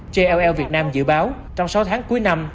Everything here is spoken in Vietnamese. jll việt nam dự báo trong sáu tháng cuối năm